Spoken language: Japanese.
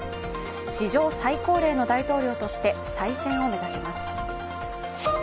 史上最高齢の大統領として再選を目指します。